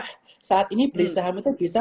nah saat ini beli saham itu bisa